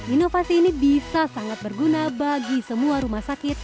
inovasi ini bisa sangat berguna bagi semua rumah sakit